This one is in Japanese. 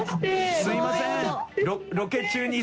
すみません。